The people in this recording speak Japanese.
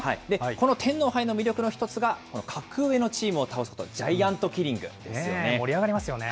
この天皇杯の魅力の一つが、格上のチームを倒すジャイアント盛り上がりますよね。